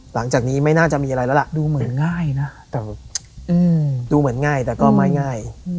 หลังจากนี้ไม่น่าจะมีอะไรแล้วล่ะดูเหมือนง่ายนะแต่ก็ไม่ง่าย